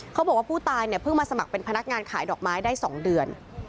เขาบอกว่าผู้ตายเนี่ยเพิ่งมาสมัครเป็นพนักงานขายดอกไม้ได้๒เดือน